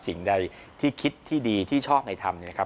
สิ่งใดที่คิดที่ดีที่ชอบในทำ